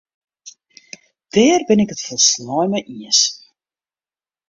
Dêr bin ik it folslein mei iens.